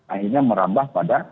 akhirnya merambah pada